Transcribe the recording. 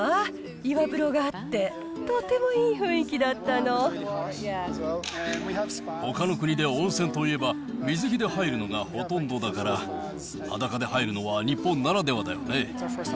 岩風呂があって、ほかの国で温泉といえば、水着で入るのがほとんどだから、裸で入るのは日本ならではだよね。